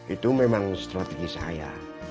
itu memang strategi saya